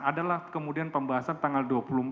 adalah kemudian pembahasan tanggal dua puluh empat